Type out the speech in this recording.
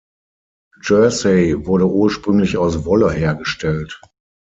Jersey wurde ursprünglich aus Wolle hergestellt.